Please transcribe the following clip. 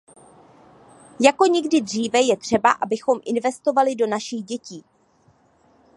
Jako nikdy dříve je třeba, abychom investovali do našich dětí.